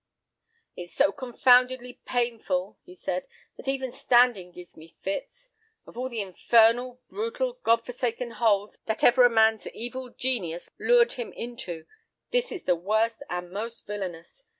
"It's so confoundedly painful," he said, "that even standing gives me fits. Of all the infernal, brutal, God forsaken holes, that ever a man's evil genius lured him into, this is the worst and most villanous.